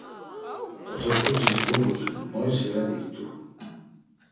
Otopusis dogutun, moyselen it̆u.